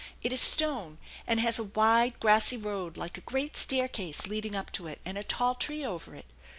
" It is stone, and has a wide grassy road like a great staircase leading up to it, and a tall tree over it.